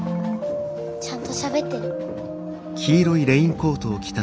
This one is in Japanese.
ちゃんとしゃべってる。